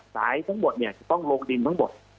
สายทั้งหมดเนี่ยจะต้องลงดินทั้งหมด